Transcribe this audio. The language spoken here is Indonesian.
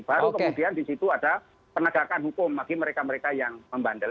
baru kemudian disitu ada penegakan hukum lagi mereka mereka yang membandel